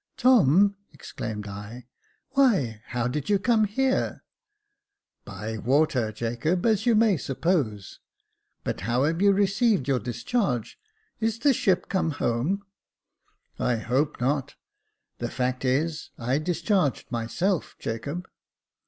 " Tom !" exclaimed I, " why, how did you come here ?"" By water, Jacob, as you may suppose." "But how have you received your discharge ? Is the ship come home ?"I hope not : the fact is, I discharged myself, Jacob."